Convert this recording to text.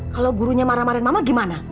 kalau gurunya marah marahin mama gimana